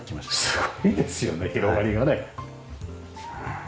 すごいですよね広がりがね。